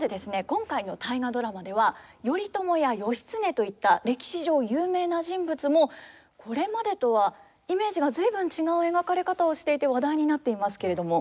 今回の「大河ドラマ」では頼朝や義経といった歴史上有名な人物もこれまでとはイメージが随分違う描かれ方をしていて話題になっていますけれども。